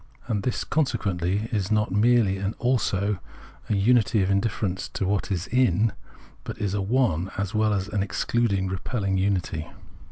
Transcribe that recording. And this, consequently, is not merely an " also," an unity indifferent to what is in it, but a " one " as well, an excluding repelling imity.